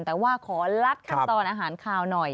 แต่ว่าขอลัดขั้นตอนอาหารคาวหน่อย